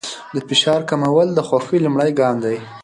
د فشار کمول د خوښۍ لومړی ګام دی.